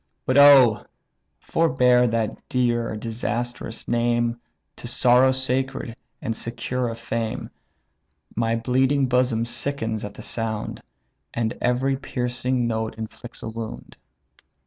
But, oh! forbear that dear disastrous name, To sorrow sacred, and secure of fame; My bleeding bosom sickens at the sound, And every piercing note inflicts a wound."